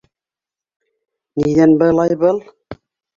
Ниҙән былай был?